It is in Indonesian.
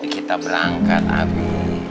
kita berangkat abi